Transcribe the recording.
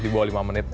di bawah lima menit